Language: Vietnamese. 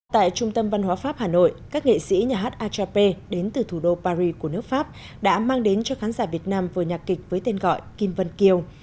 tại trung tâm văn hóa pháp hà nội các nghệ sĩ nhà hát achape đến từ thủ đô paris của nước pháp đã mang đến cho khán giả việt nam vở nhạc kịch với tên gọi kim vân kiều